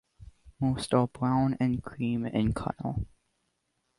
Most are brown and cream in colour.